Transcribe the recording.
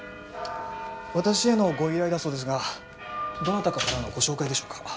私へのご依頼だそうですがどなたかからのご紹介でしょうか？